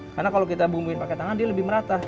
karena kalau kita bumbuin pakai tangan dia lebih merata